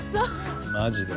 マジで。